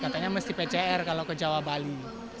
katanya mesti pcr kalau ke jawa bali